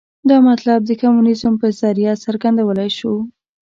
دا مطلب د کمونیزم په ذریعه څرګندولای شو.